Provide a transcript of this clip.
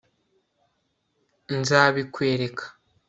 nzabikwereka